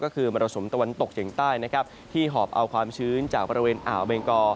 ก็คือบรสมตะวันตกจากอย่างใต้ที่หอบเอาความชื้นจากบริเวณอาวเบงกอ